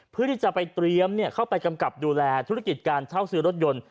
เพื่อที่จะไปเตรียมเข้าไปกำกับดูแลธุรกิจการเช่าซื้อรถยนต์